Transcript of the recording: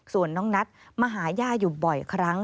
ส่วนน้องนัทมาหาย่าอยู่บ่อยครั้ง